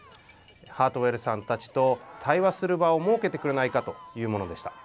ハートウェルさんたちと対話する場を設けてくれないかというものでした。